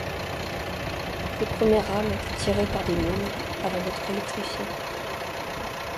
Les premières rames étaient tirées par des mules, avant d'être électrifié.